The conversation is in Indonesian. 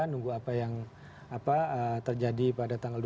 nunggu apa yang terjadi pada tanggal dua puluh